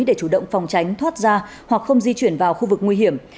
để chủ động phòng tránh thoát ra hoặc không di chuyển vào khu vực nguy hiểm